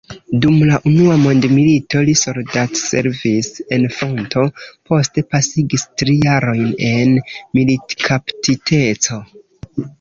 Dum la unua mondmilito li soldatservis en fronto, poste pasigis tri jarojn en militkaptiteco.